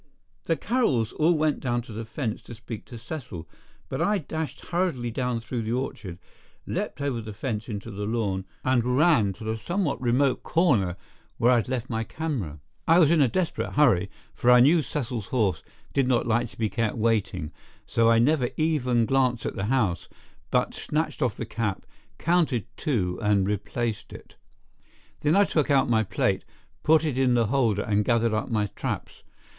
The Carrolls all went down to the fence to speak to Cecil, but I dashed hurriedly down through the orchard, leaped over the fence into the lawn and ran to the somewhat remote corner where I had left my camera. I was in a desperate hurry, for I knew Cecil's horse did not like to be kept waiting, so I never even glanced at the house, but snatched off the cap, counted two and replaced it. Then I took out my plate, put it in the holder and gathered up my traps.